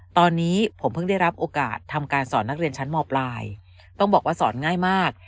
ตอนนี้ผมเพิ่งได้รับโอกาสทำการสอนนักเรียนชั้นมปลายต้องบอกว่าสอนง่ายมาก